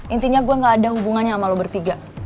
intinya gue gak ada hubungannya sama lo bertiga